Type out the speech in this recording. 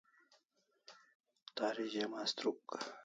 Tari ze mastruk